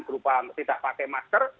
berupa tidak pakai masker